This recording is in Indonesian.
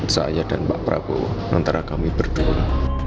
saya dan pak prabowo antara kami berdua